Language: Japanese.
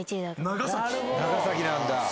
長崎なんだ。